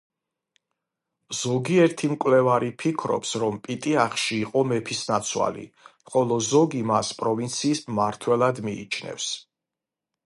ზოგიერთი მკვლევარი ფიქრობს, რომ პიტიახში იყო მეფისნაცვალი, ხოლო ზოგი მას პროვინციის მმართველად მიიჩნევს.